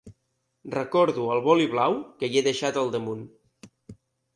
Recordo el boli blau que hi he deixat al damunt.